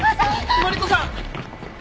マリコさん！